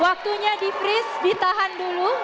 waktunya di freeze ditahan dulu